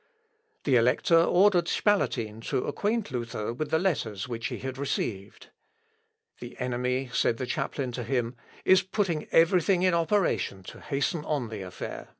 The Elector ordered Spalatin to acquaint Luther with the letters which he had received. "The enemy," said the chaplain to him, "is putting every thing in operation to hasten on the affair."